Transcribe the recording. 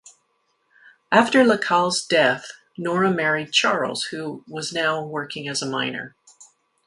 After Lacaille's death Nora married Charles who was now working as a miner.